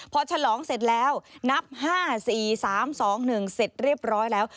พอฉลองเสร็จแล้วนับ๕๔๓๒๑เสร็จเรียบร้อยแล้ว